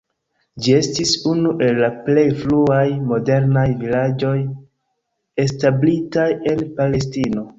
Ĝi estis unu el la plej fruaj modernaj vilaĝoj establitaj en Palestino.